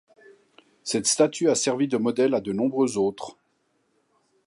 Cette statue a servi de modèle à de nombreuses autres.